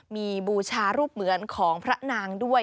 มีบูชารูปเหมือนของพระนางด้วย